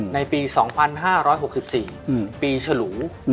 ในปี๒๕๖๔ปีฉลู